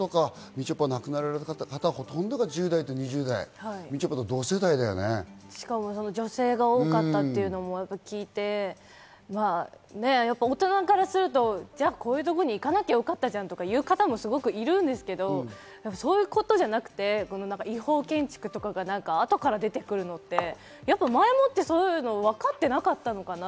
みちょぱ、亡くなられた方、ほとんど１０代と２０代、みちょ女性が多かったというのも聞いて、大人からすると、こういうところに行かなきゃよかったじゃんっていう方もいるんですけど、そういうことじゃなくて、違法建築とかが後から出てくるのって前もってそういうの分かってなかったのかな。